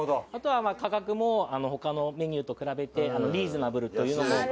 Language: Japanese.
あとはまあ価格も他のメニューと比べてリーズナブルというのも。